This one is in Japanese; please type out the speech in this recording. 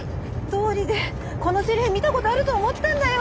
どうりでこのせりふ見たことあると思ったんだよ。